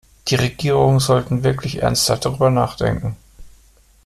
Die Regierungen sollten wirklich ernsthaft darüber nachdenken.